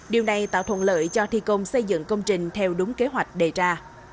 điều này tạo thuận lợi cho thi công xây dựng công trình theo đúng kế hoạch đề ra